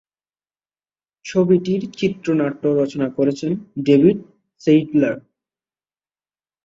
ছবিটির চিত্রনাট্য রচনা করেছেন ডেভিড সেইডলার।